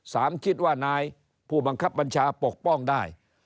คิดว่านายผู้บังคับบัญชาปกป้องได้